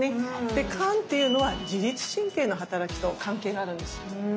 で肝っていうのは自律神経のはたらきと関係があるんです。